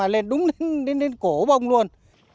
lên cổ bồng luôn